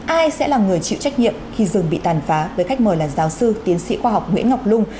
ai sẽ là người chịu trách nhiệm khi rừng bị tàn phá với khách mời là giáo sư tiến sĩ khoa học nguyễn ngọc lung